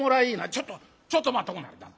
「ちょっとちょっと待っとくんなはれ旦さん。